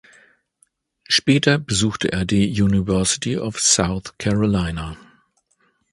Später besuchte er die University of South Carolina.